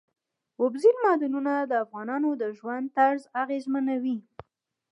اوبزین معدنونه د افغانانو د ژوند طرز اغېزمنوي.